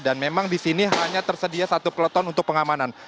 dan memang di sini hanya tersedia satu peleton untuk pengamanan